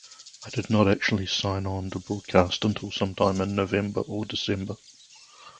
It did not actually sign-on to broadcast until sometime in November or December.